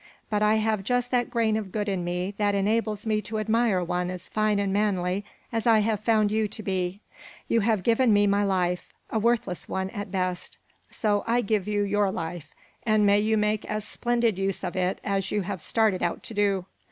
But I have just that grain of good in me that enables me to admire one as fine and manly as I have found you to be. You have given me my life a worthless one, at best. So I give you your life and may you make as splendid use of it as you have started out to do.